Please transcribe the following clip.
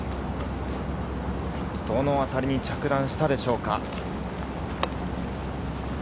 どのあたりに着弾したでしょうか？